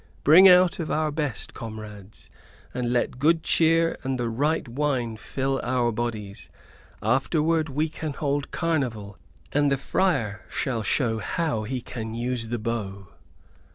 Bring out of our best, comrades, and let good cheer and the right wine fill our bodies. Afterward we can hold carnival, and the friar shall show how he can use the bow."